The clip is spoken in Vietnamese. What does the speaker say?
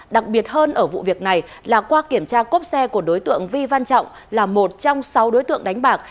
đặc biệt hơn ở vụ việc này là qua kiểm tra cốp xe của đối tượng vi văn trọng là một trong sáu đối tượng đánh bạc